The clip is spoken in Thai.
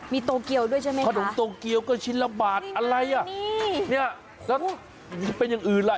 มีโตเกียวด้วยใช่ไหมคะนี่ไงนี่โอ้โหนี่เป็นอย่างอื่นล่ะ